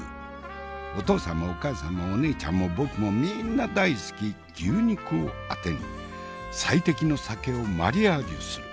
お父さんもお母さんもお姉ちゃんも僕もみんな大好き牛肉をあてに最適の酒をマリアージュする。